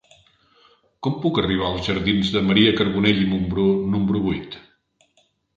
Com puc arribar als jardins de Maria Carbonell i Mumbrú número vuit?